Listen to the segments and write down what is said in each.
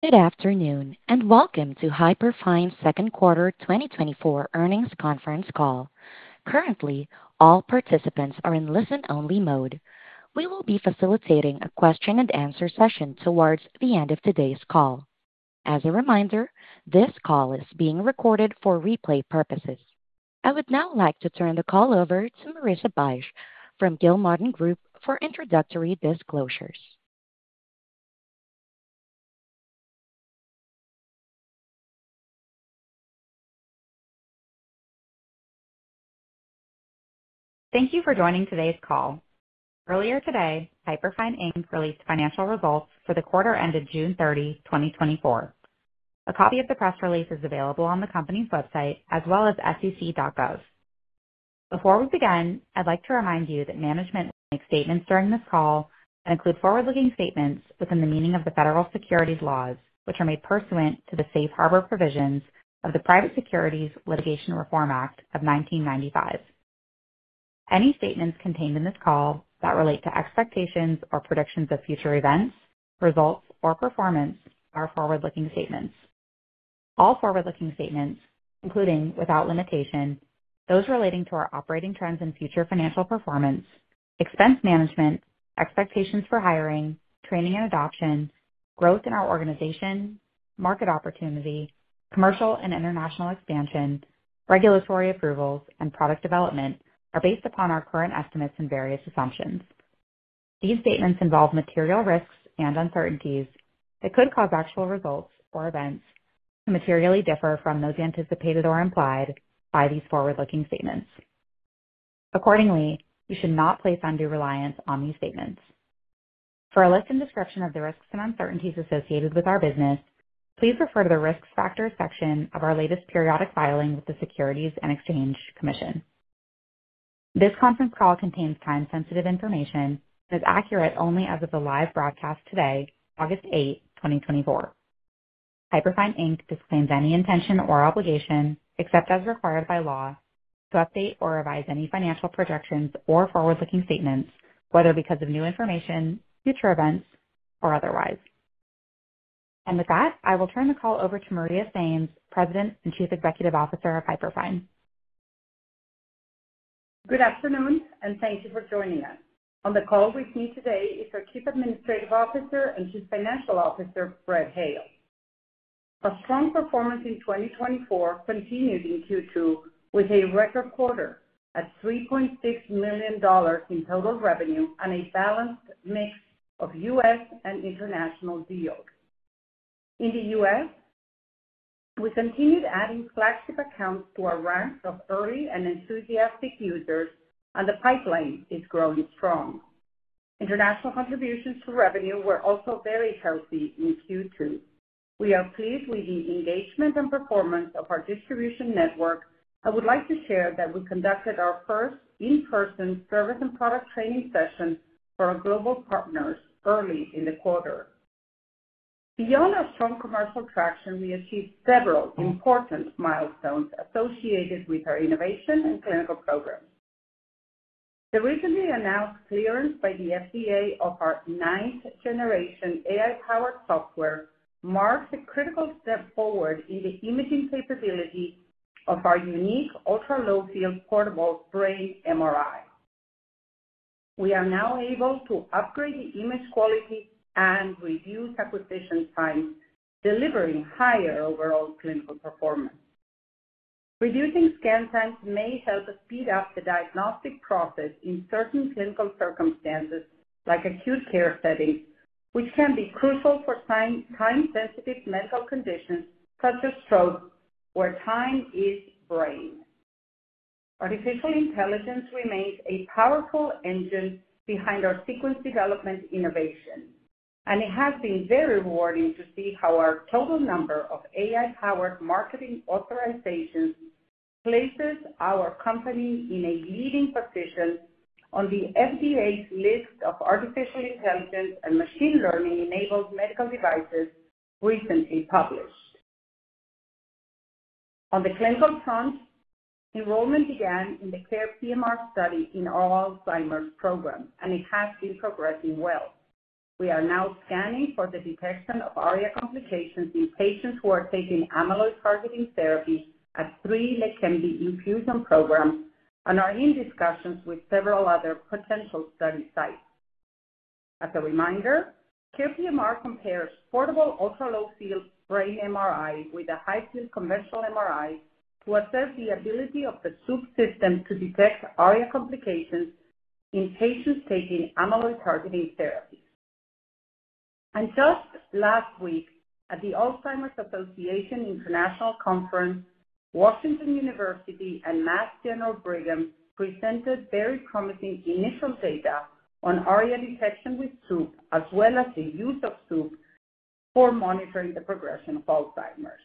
Good afternoon, and welcome to Hyperfine's second quarter 2024 earnings conference call. Currently, all participants are in listen-only mode. We will be facilitating a question and answer session towards the end of today's call. As a reminder, this call is being recorded for replay purposes. I would now like to turn the call over to Marissa Bych from Gilmartin Group for introductory disclosures. Thank you for joining today's call. Earlier today, Hyperfine, Inc. released financial results for the quarter ended June 30, 2024. A copy of the press release is available on the company's website as well as SEC.gov. Before we begin, I'd like to remind you that management will make statements during this call that include forward-looking statements within the meaning of the Federal Securities laws, which are made pursuant to the Safe Harbor provisions of the Private Securities Litigation Reform Act of 1995. Any statements contained in this call that relate to expectations or predictions of future events, results, or performance are forward-looking statements. All forward-looking statements, including without limitation, those relating to our operating trends and future financial performance, expense management, expectations for hiring, training and adoption, growth in our organization, market opportunity, commercial and international expansion, regulatory approvals, and product development, are based upon our current estimates and various assumptions. These statements involve material risks and uncertainties that could cause actual results or events to materially differ from those anticipated or implied by these forward-looking statements. Accordingly, you should not place undue reliance on these statements. For a list and description of the risks and uncertainties associated with our business, please refer to the risks factors section of our latest periodic filing with the Securities and Exchange Commission. This conference call contains time-sensitive information and is accurate only as of the live broadcast today, August 8, 2024. Hyperfine Inc disclaims any intention or obligation, except as required by law, to update or revise any financial projections or forward-looking statements, whether because of new information, future events, or otherwise. With that, I will turn the call over to Maria Sainz, President and Chief Executive Officer of Hyperfine. Good afternoon, and thank you for joining us. On the call with me today is our Chief Administrative Officer and Chief Financial Officer, Brett Hale. Our strong performance in 2024 continued in Q2 with a record quarter at $3.6 million in total revenue on a balanced mix of U.S. and international deals. In the U.S., we continued adding flagship accounts to our ranks of 30, and enthusiastic users and the pipeline is growing strong. International contributions to revenue were also very healthy in Q2. We are pleased with the engagement and performance of our distribution network. I would like to share that we conducted our first in-person service and product training session for our global partners early in the quarter. Beyond our strong commercial traction, we achieved several important milestones associated with our innovation and clinical programs. The recently announced clearance by the FDA of our ninth generation AI-powered software marks a critical step forward in the imaging capability of our unique ultra-low field portable brain MRI. We are now able to upgrade the image quality and reduce acquisition time, delivering higher overall clinical performance. Reducing scan times may help us speed up the diagnostic process in certain clinical circumstances, like acute care settings, which can be crucial for time-sensitive medical conditions such as stroke, where time is brain. Artificial intelligence remains a powerful engine behind our sequence development innovation, and it has been very rewarding to see how our total number of AI-powered marketing authorizations places our company in a leading position on the FDA's list of artificial intelligence and machine learning-enabled medical devices recently published. On the clinical front, enrollment began in the CARE PMR study in our Alzheimer's program, and it has been progressing well. We are now scanning for the detection of ARIA complications in patients who are taking amyloid-targeting therapies at three Leqembi infusion programs and are in discussions with several other potential study sites. As a reminder, CARE PMR compares portable ultra-low field brain MRI with a high-field commercial MRI to assess the ability of the Swoop system to detect ARIA complications in patients taking amyloid-targeting therapy. Just last week, at the Alzheimer's Association International Conference, Washington University and Mass General Brigham presented very promising initial data on ARIA detection with Swoop, as well as the use of Swoop for monitoring the progression of Alzheimer's.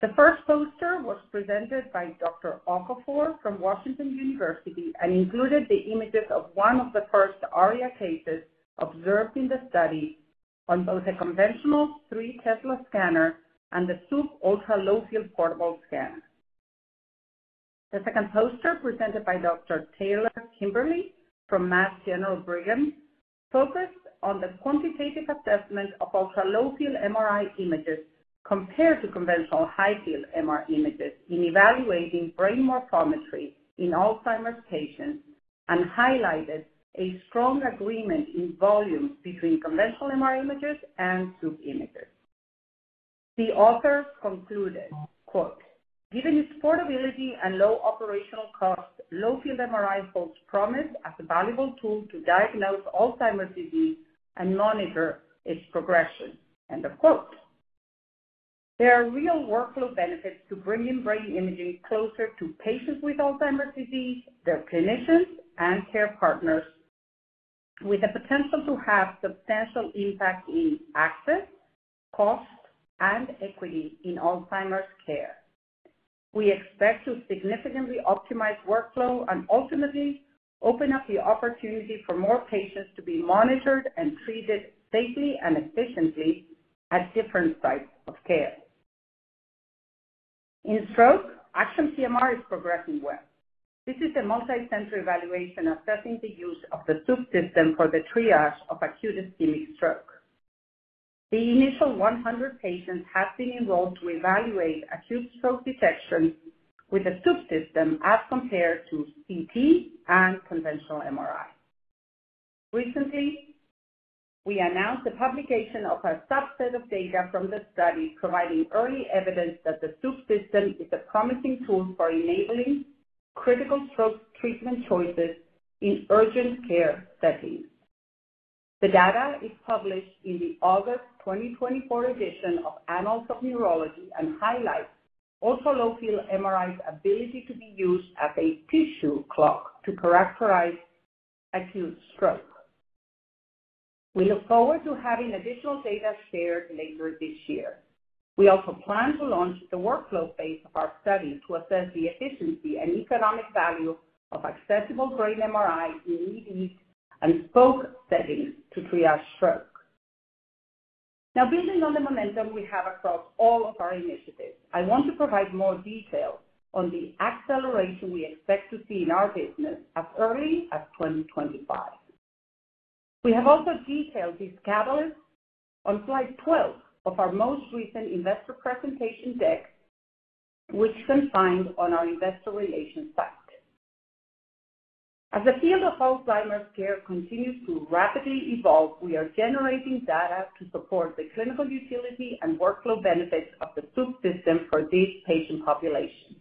The first poster was presented by Dr. Okafor from Washington University and included the images of one of the first ARIA cases observed in the study on both a conventional three Tesla scanner and the Swoop ultra-low field portable scanner. The second poster, presented by Dr. W. Taylor Kimberly from Mass General Brigham, focused on the quantitative assessment of ultra-low field MRI images compared to conventional high-field MR images in evaluating brain morphometry in Alzheimer's patients, and highlighted a strong agreement in volume between conventional MR images and Swoop images. The authors concluded, quote, "Given its portability and low operational cost, low-field MRI holds promise as a valuable tool to diagnose Alzheimer's disease and monitor its progression," end of quote. There are real workflow benefits to bringing brain imaging closer to patients with Alzheimer's disease, their clinicians, and care partners, with the potential to have substantial impact in access, cost, and equity in Alzheimer's care. We expect to significantly optimize workflow and ultimately open up the opportunity for more patients to be monitored and treated safely and efficiently at different sites of care. In stroke, ACTION PMR is progressing well. This is a multi-center evaluation assessing the use of the Swoop system for the triage of acute ischemic stroke. The initial 100 patients have been enrolled to evaluate acute stroke detection with a Swoop system, as compared to CT and conventional MRI. Recently, we announced the publication of a subset of data from the study, providing early evidence that the Swoop system is a promising tool for enabling critical stroke treatment choices in urgent care settings. The data is published in the August 2024 edition of Annals of Neurology and highlights also low-field MRI's ability to be used as a tissue clock to characterize acute stroke. We look forward to having additional data shared later this year. We also plan to launch the workflow phase of our study to assess the efficiency and economic value of accessible brain MRI in EDs and spoke settings to triage stroke. Now, building on the momentum we have across all of our initiatives, I want to provide more detail on the acceleration we expect to see in our business as early as 2025. We have also detailed this catalyst on slide 12 of our most recent investor presentation deck, which you can find on our investor relations site. As the field of Alzheimer's care continues to rapidly evolve, we are generating data to support the clinical utility and workflow benefits of the Swoop system for this patient population.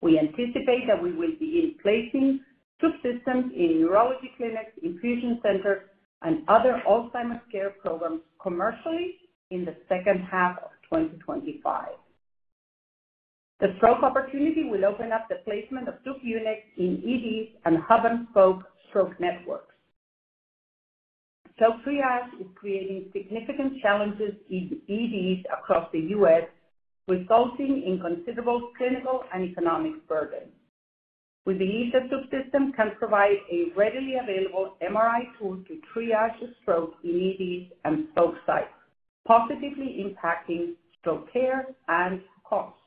We anticipate that we will be in placing Swoop systems in neurology clinics, infusion centers, and other Alzheimer's care programs commercially in the second half of 2025. The stroke opportunity will open up the placement of Swoop units in EDs and hub-and-spoke stroke networks. Stroke triage is creating significant challenges in EDs across the U.S., resulting in considerable clinical and economic burden. With the ease of Swoop system, can provide a readily available MRI tool to triage stroke in EDs and spoke sites, positively impacting stroke care and costs.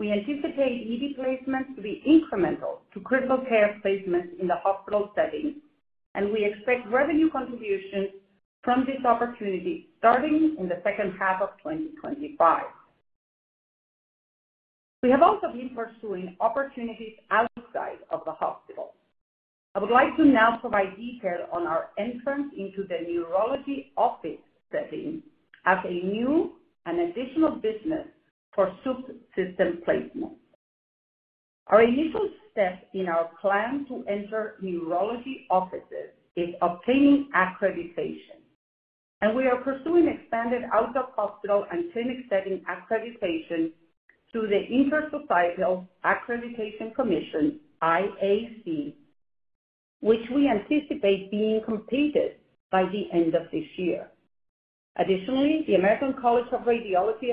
We anticipate ED placements to be incremental to critical care placements in the hospital setting, and we expect revenue contributions from this opportunity starting in the second half of 2025. We have also been pursuing opportunities outside of the hospital. I would like to now provide detail on our entrance into the neurology office setting as a new and additional business for Swoop system placement. Our initial step in our plan to enter neurology offices is obtaining accreditation, and we are pursuing expanded out-of-hospital and clinic setting accreditation through the Intersocietal Accreditation Commission, IAC, which we anticipate being completed by the end of this year. Additionally, the American College of Radiology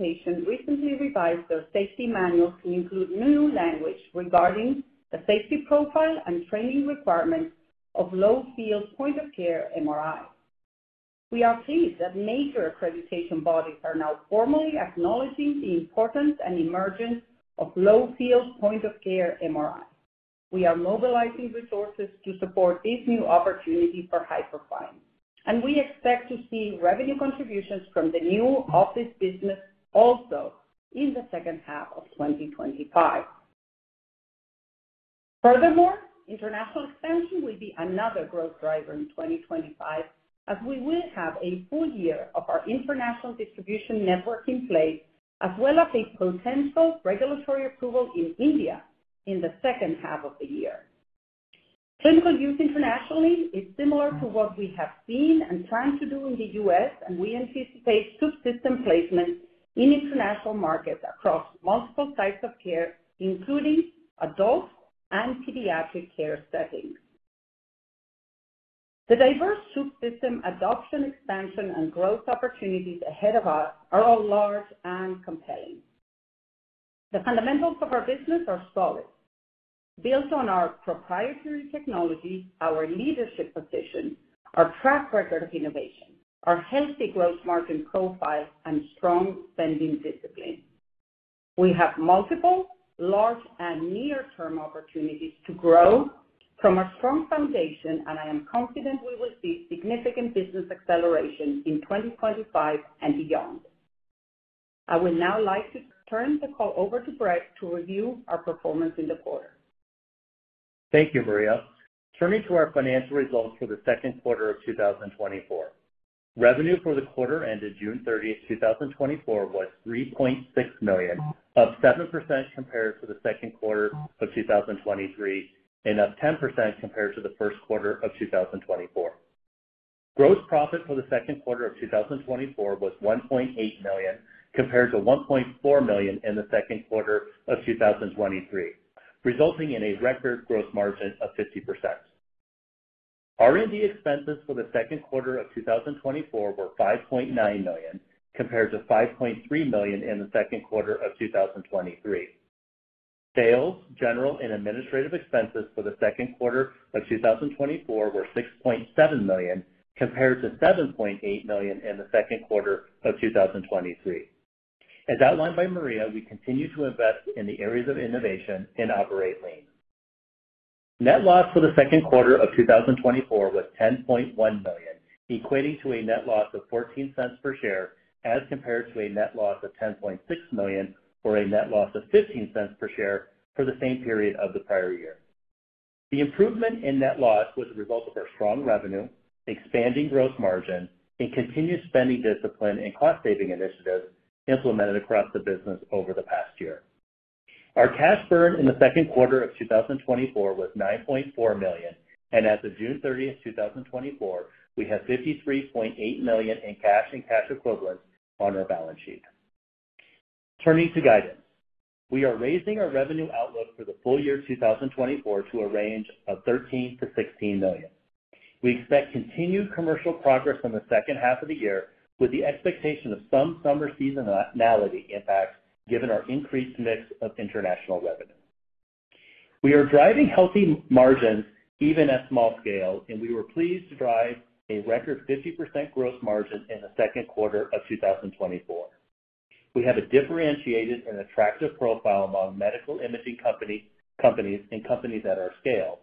recently revised their safety manual to include new language regarding the safety profile and training requirements of low-field point-of-care MRI. We are pleased that major accreditation bodies are now formally acknowledging the importance and emergence of low-field point-of-care MRI. We are mobilizing resources to support this new opportunity for Hyperfine, and we expect to see revenue contributions from the new office business also in the second half of 2025. Furthermore, international expansion will be another growth driver in 2025, as we will have a full year of our international distribution network in place, as well as a potential regulatory approval in India in the second half of the year. Clinical use internationally is similar to what we have seen and trying to do in the US, and we anticipate Swoop system placement in international markets across multiple sites of care, including adult and pediatric care settings. The diverse Swoop system adoption, expansion, and growth opportunities ahead of us are all large and compelling. The fundamentals of our business are solid, built on our proprietary technology, our leadership position, our track record of innovation, our healthy gross margin profile, and strong spending discipline. We have multiple, large and near-term opportunities to grow from a strong foundation, and I am confident we will see significant business acceleration in 2025 and beyond. I would now like to turn the call over to Brett to review our performance in the quarter. Thank you, Maria. Turning to our financial results for the second quarter of 2024. Revenue for the quarter ended June 30, 2024, was $3.6 million, up 7% compared to the second quarter of 2023, and up 10% compared to the first quarter of 2024. Gross profit for the second quarter of 2024 was $1.8 million, compared to $1.4 million in the second quarter of 2023, resulting in a record gross margin of 50%. R&D expenses for the second quarter of 2024 were $5.9 million, compared to $5.3 million in the second quarter of 2023. Sales, general, and administrative expenses for the second quarter of 2024 were $6.7 million, compared to $7.8 million in the second quarter of 2023. As outlined by Maria, we continue to invest in the areas of innovation and operate lean. Net loss for the second quarter of 2024 was $10.1 million, equating to a net loss of $0.14 per share, as compared to a net loss of $10.6 million or a net loss of 15 cents per share for the same period of the prior year. The improvement in net loss was a result of our strong revenue, expanding gross margin, and continued spending discipline and cost-saving initiatives implemented across the business over the past year. Our cash burn in the second quarter of 2024 was $9.4 million, and as of June 30, 2024, we had $53.8 million in cash and cash equivalents on our balance sheet. Turning to guidance. We are raising our revenue outlook for the full year 2024 to a range of $13 million-$16 million. We expect continued commercial progress in the second half of the year, with the expectation of some summer seasonality impact, given our increased mix of international revenue. We are driving healthy margins, even at small scale, and we were pleased to drive a record 50% gross margin in the second quarter of 2024. We have a differentiated and attractive profile among medical imaging companies and companies at our scale,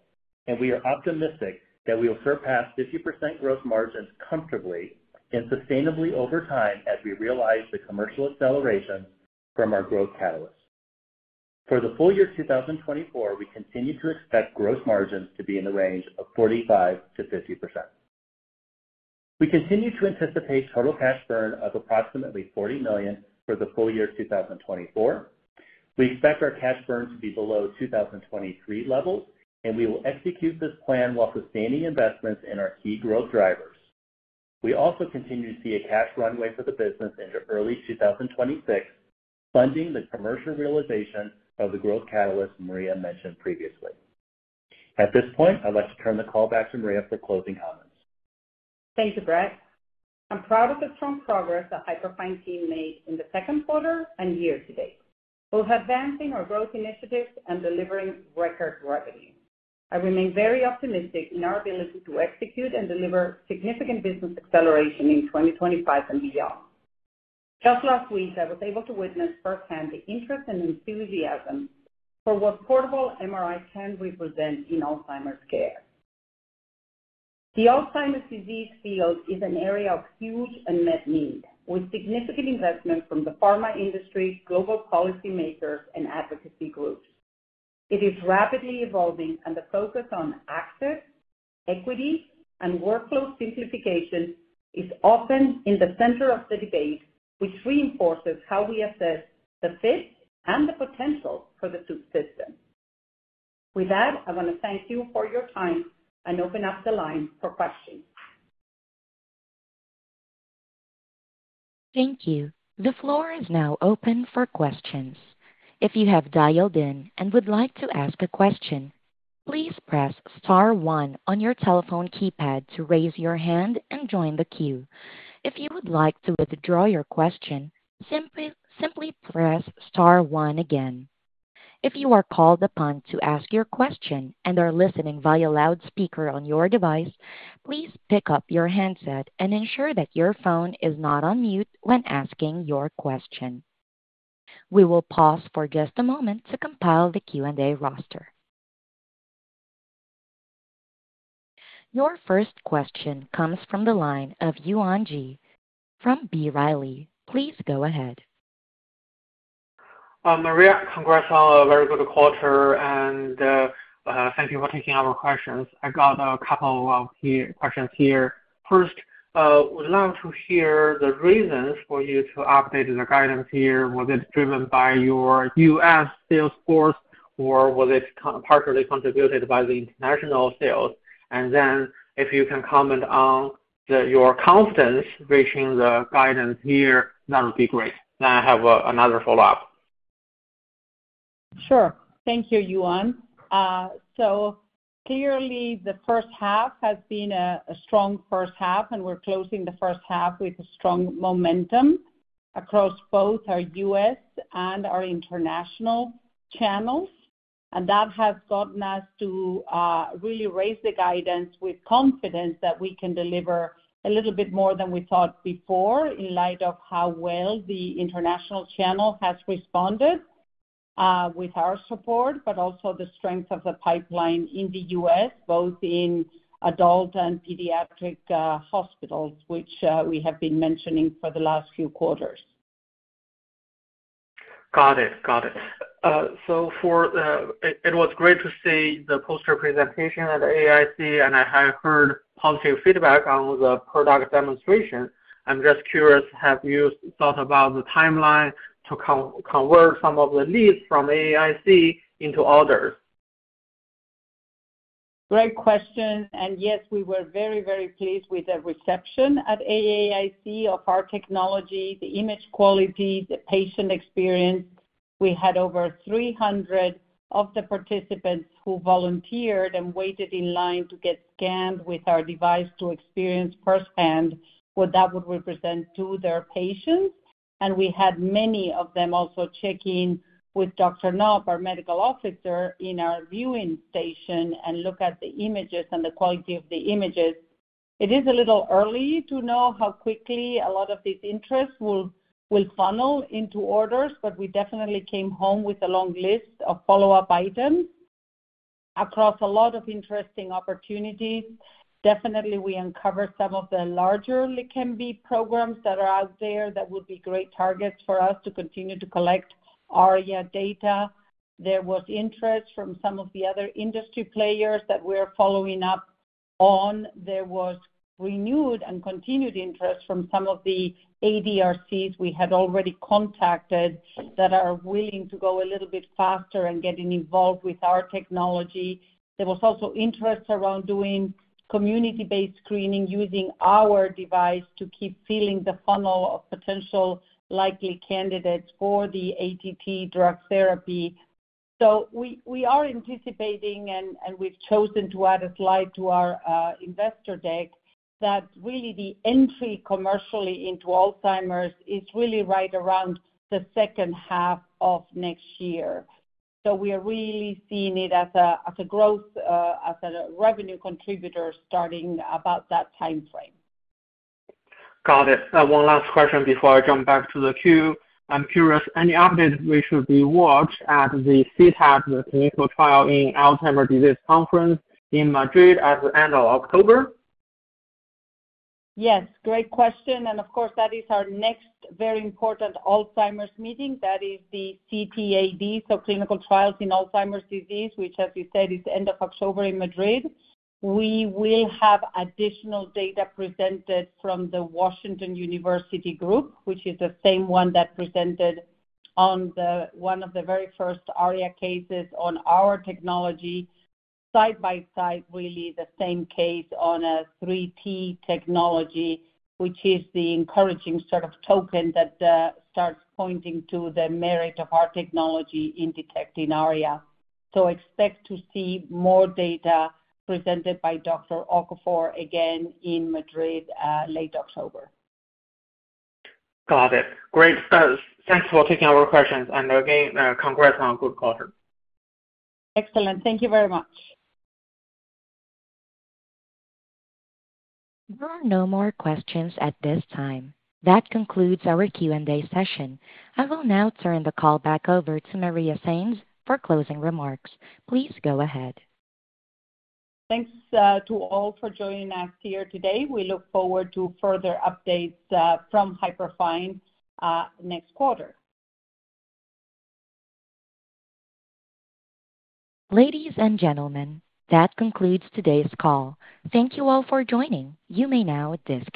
and we are optimistic that we will surpass 50% gross margins comfortably and sustainably over time as we realize the commercial acceleration from our growth catalysts. For the full year 2024, we continue to expect gross margins to be in the range of 45%-50%. We continue to anticipate total cash burn of approximately $40 million for the full year 2024. We expect our cash burn to be below 2023 levels, and we will execute this plan while sustaining investments in our key growth drivers. We also continue to see a cash runway for the business into early 2026, funding the commercial realization of the growth catalyst Maria mentioned previously. At this point, I'd like to turn the call back to Maria for closing comments. Thank you, Brett. I'm proud of the strong progress the Hyperfine team made in the second quarter and year to date, both advancing our growth initiatives and delivering record revenue. I remain very optimistic in our ability to execute and deliver significant business acceleration in 2025 and beyond. Just last week, I was able to witness firsthand the interest and enthusiasm for what portable MRI can represent in Alzheimer's care. The Alzheimer's disease field is an area of huge unmet need, with significant investment from the pharma industry, global policymakers, and advocacy groups. It is rapidly evolving, and the focus on access, equity, and workflow simplification is often in the center of the debate, which reinforces how we assess the fit and the potential for the Swoop system. With that, I want to thank you for your time and open up the line for questions. Thank you. The floor is now open for questions. If you have dialed in and would like to ask a question, please press star one on your telephone keypad to raise your hand and join the queue. If you would like to withdraw your question, simply press star one again. If you are called upon to ask your question and are listening via loudspeaker on your device, please pick up your handset and ensure that your phone is not on mute when asking your question. We will pause for just a moment to compile the Q&A roster. Your first question comes from the line of Yuan Zhi from B. Riley. Please go ahead. Maria, congrats on a very good quarter, and thank you for taking our questions. I got a couple of questions here. First, would love to hear the reasons for you to update the guidance here. Was it driven by your U.S. sales force, or was it partially contributed by the international sales? And then if you can comment on your confidence reaching the guidance here, that would be great. Then I have another follow-up. Sure. Thank you, Yuan. So clearly, the first half has been a strong first half, and we're closing the first half with strong momentum across both our U.S. and our international channels, and that has gotten us to really raise the guidance with confidence that we can deliver a little bit more than we thought before, in light of how well the international channel has responded with our support, but also the strength of the pipeline in the US, both in adult and pediatric hospitals, which we have been mentioning for the last few quarters. Got it. Got it. So, it was great to see the poster presentation at the AAIC, and I have heard positive feedback on the product demonstration. I'm just curious, have you thought about the timeline to convert some of the leads from AAIC into orders? Great question, and yes, we were very, very pleased with the reception at AAIC of our technology, the image quality, the patient experience. We had over 300 of the participants who volunteered and waited in line to get scanned with our device to experience firsthand what that would represent to their patients. And we had many of them also check in with Dr. Knopp, our medical officer, in our viewing station, and look at the images and the quality of the images. It is a little early to know how quickly a lot of these interests will funnel into orders, but we definitely came home with a long list of follow-up items across a lot of interesting opportunities. Definitely, we uncovered some of the larger Leqembi programs that are out there that would be great targets for us to continue to collect ARIA data. There was interest from some of the other industry players that we're following up on. There was renewed and continued interest from some of the ADRCs we had already contacted, that are willing to go a little bit faster in getting involved with our technology. There was also interest around doing community-based screening, using our device to keep filling the funnel of potential likely candidates for the ATP drug therapy. So we are anticipating, and we've chosen to add a slide to our investor deck, that really the entry commercially into Alzheimer's is really right around the second half of next year. So we are really seeing it as a growth, as a revenue contributor starting about that timeframe. Got it. One last question before I jump back to the queue. I'm curious, any updates we should be watched at the CTAD, the Clinical Trials on Alzheimer's Disease conference in Madrid at the end of October? Yes, great question, and of course, that is our next very important Alzheimer's meeting. That is the CTAD, so Clinical Trials in Alzheimer's Disease, which, as you said, is the end of October in Madrid. We will have additional data presented from the Washington University group, which is the same one that presented on the, one of the very first ARIA cases on our technology. Side by side, really the same case on a 3T technology, which is the encouraging sort of token that starts pointing to the merit of our technology in detecting ARIA. So expect to see more data presented by Dr. Okafor again in Madrid, late October. Got it. Great. So thanks for taking our questions. And again, congrats on good quarter. Excellent. Thank you very much. There are no more questions at this time. That concludes our Q&A session. I will now turn the call back over to Maria Sainz for closing remarks. Please go ahead. Thanks to all for joining us here today. We look forward to further updates from Hyperfine next quarter. Ladies and gentlemen, that concludes today's call. Thank you all for joining. You may now disconnect.